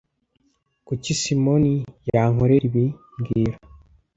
Kuki Simoni yankorera ibi mbwira